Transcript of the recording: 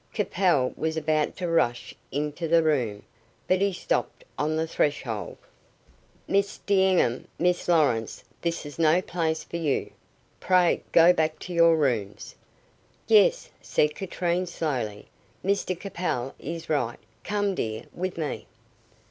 Capel was about to rush into the room, but he stopped on the threshold. "Miss D'Enghien Miss Lawrence this is no place for you. Pray go back to your rooms." "Yes," said Katrine, slowly, "Mr Capel is right. Come, dear, with me."